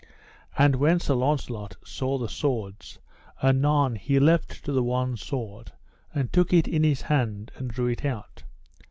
And when Sir Launcelot saw the swords, anon he leapt to the one sword, and took it in his hand, and drew it out.